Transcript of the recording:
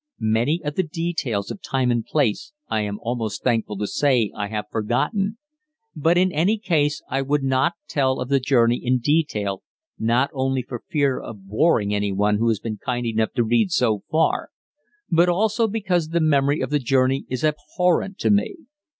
Many of the details of time and place, I am almost thankful to say, I have forgotten; but in any case I would not tell of the journey in detail, not only for fear of boring anyone who has been kind enough to read so far, but also because the memory of the journey is abhorrent to me.